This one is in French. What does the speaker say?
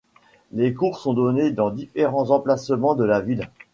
Les cours sont donnés dans différents emplacements de la ville.